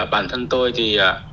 bản thân tôi thì